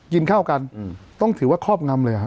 ยืนเข้ากันต้องถือว่าครอบงำเลย